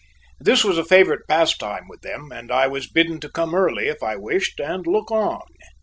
This was a favorite pastime with them, and I was bidden to come early, if I wished, and look on.